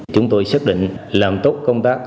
chúng tôi xác định làm tốt công tác